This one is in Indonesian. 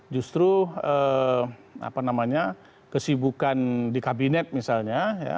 justru apa namanya kesibukan di kabinet misalnya ya